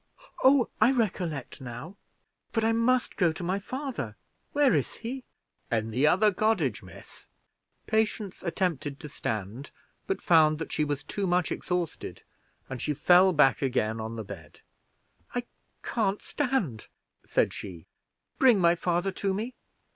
oh, I recollect now; but I must go to my father. Where is he?" "In the other cottage, miss." Patience attempted to stand, but found that she was too much exhausted, and she fell back again on the bed. "I can't stand," said she. "Bring my father to me."